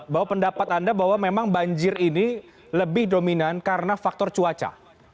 bahwa pendapat anda bahwa memang banjir ini lebih dominan karena faktor cuaca